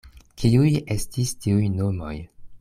Kiuj estis tiuj nomoj?